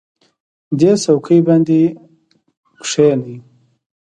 دې څوکۍ باندې کېنئ.